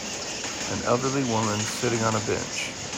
An elderly woman sitting on a bench.